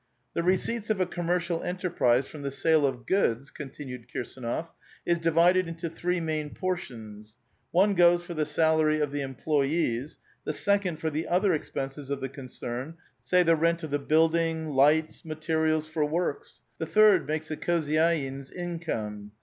" The receipts of a commercial enterprise from the sale of goods," continued Kirsdnof, "is divided into three main portions : one goes for the salary of the employees ; the second for the other expenses of the concern, say the rent of the building, lights, materials for works ; the third mnkes the kliozydtn* fi income.